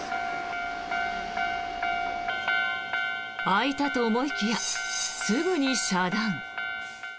開いたと思いきやすぐに遮断。